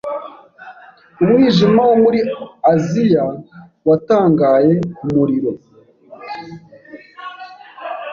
umwijima wo muri Aziya watangaye Ku muriro